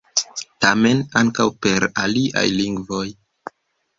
Tamen, ankaŭ per aliaj lingvoj